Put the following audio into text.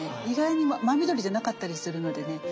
意外に真緑じゃなかったりするのでね